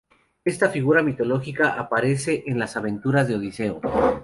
Esta figura mitológica aparece en las aventuras de Odiseo.